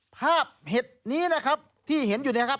เห็ดนี้นะครับที่เห็นอยู่เนี่ยครับ